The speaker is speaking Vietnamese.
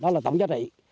đó là tổng giá trị